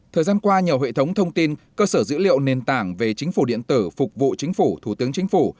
thời gian qua nhiều hệ thống thông tin cơ sở dữ liệu nền tảng về chính phủ điện tử phục vụ chính phủ thủ tướng chính phủ